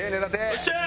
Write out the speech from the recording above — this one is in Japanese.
よっしゃ！